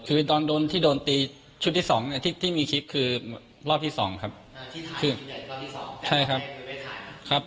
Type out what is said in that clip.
คือตอนที่โดนตีชุดที่๒ที่มีคลิปคือรอบที่๒ครับ